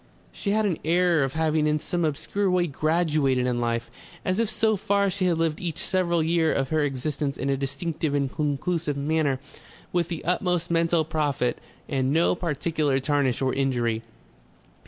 She had an air of having in some obscure way graduated in life, as if so far she had lived each several year of her existence in a distinctive and conclusive manner with the utmost mental profit and no particular tarnish or injury.